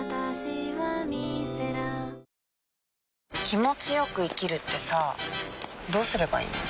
気持ちよく生きるってさどうすればいいの？